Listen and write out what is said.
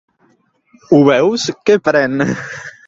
¿Ho veus, què pren?